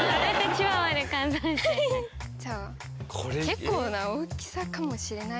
結構な大きさかもしれない。